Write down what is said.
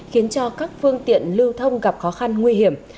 khiến cho các phương tiện lưu thông gặp khó khăn nguy hiểm